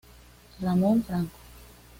Ramón Franco